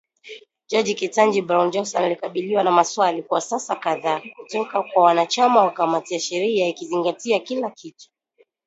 Jaji Ketanji Brown Jackson, alikabiliwa na maswali kwa saa kadhaa kutoka kwa wanachama wa kamati ya sheria ikizingatia kila kitu.